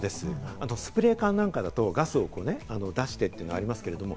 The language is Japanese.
あとスプレー缶なんかだと、ガスを出してというのがありますけど。